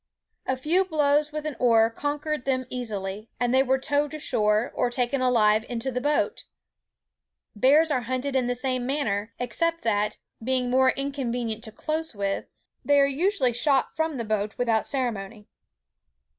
A few blows with an oar conquered them easily, and they were towed ashore, or taken alive into the boat. Bears are hunted in the same manner, except that, being more inconvenient to close with, they are usually shot from the boat without ceremony.